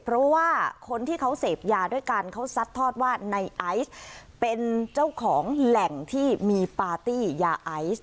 เพราะว่าคนที่เขาเสพยาด้วยกันเขาซัดทอดว่าในไอซ์เป็นเจ้าของแหล่งที่มีปาร์ตี้ยาไอซ์